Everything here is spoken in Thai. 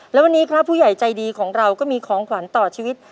และวันนี้ครับผู้ใหญ่ใจดีของเราก็มีของขวัญต่อชีวิต